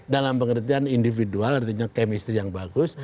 dalam pengertian individual artinya chemistry yang bagus